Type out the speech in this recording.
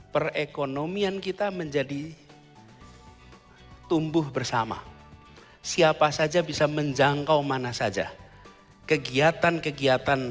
perekonomian kita menjadi tumbuh bersama siapa saja bisa menjangkau mana saja kegiatan kegiatan